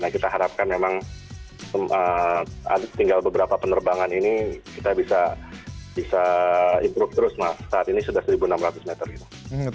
kita harapkan memang tinggal beberapa penerbangan ini kita bisa improve terus mas saat ini sudah seribu enam ratus meter ini